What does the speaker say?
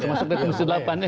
termasuk dari komisi delapan ya